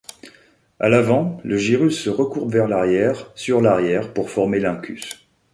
À l'avant, le gyrus se recourbe vers l'arrière sur l'arrière pour former l'uncus.